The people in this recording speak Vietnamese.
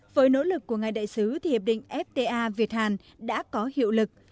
với nỗ lực của ngài đại sứ thì hiệp định fta việt hàn đã có hiệu lực